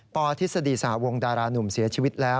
ปทฤษฎีสหวงดารานุ่มเสียชีวิตแล้ว